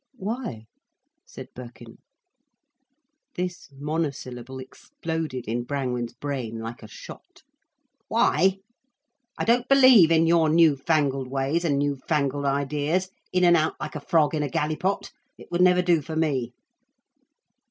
"Why?" said Birkin. This monosyllable exploded in Brangwen's brain like a shot. "Why! I don't believe in your new fangled ways and new fangled ideas—in and out like a frog in a gallipot. It would never do for me."